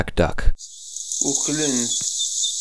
Uklen-t.